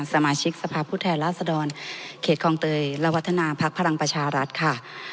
สมาชิกสภาพผู้แทนราษฎรเขตคลองเตยและวัฒนาภักดิ์พลังประชารัฐค่ะ